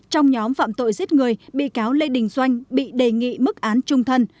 trong nhóm phạm tội giết người bị cáo lê đình doanh bị đề nghị mức án trung thân